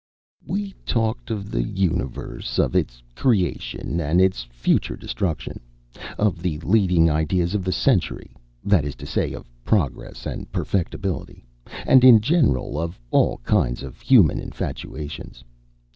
We talked of the universe, of its creation and of its future destruction; of the leading ideas of the century that is to say, of Progress and Perfectibility and, in general, of all kinds of human infatuations.